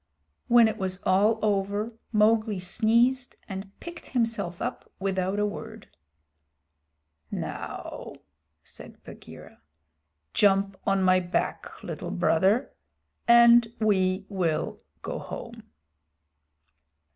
When it was all over Mowgli sneezed, and picked himself up without a word. "Now," said Bagheera, "jump on my back, Little Brother, and we will go home."